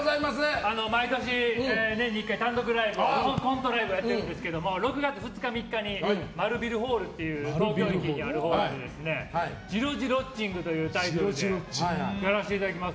毎年１回、単独ライブをやってるんですけど６月２日、３日に丸ビルホールっていう東京駅にあるホールでジロジロッチングというタイトルでやらせていただきます。